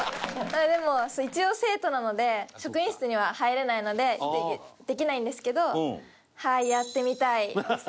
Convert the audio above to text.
でも一応生徒なので職員室には入れないのでできないんですけどやってみたいですね。